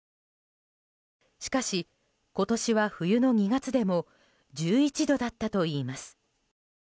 しかし、今年は冬の２月でも１１度だったといいます。